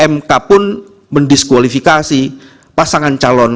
mk pun mendiskualifikasi pasangan calon